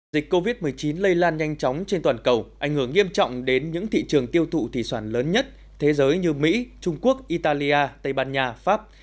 dịch covid một mươi chín lây lan nhanh chóng trên toàn cầu ảnh hưởng nghiêm trọng đến những thị trường tiêu thụ thủy sản lớn nhất thế giới như mỹ trung quốc italia tây ban nha pháp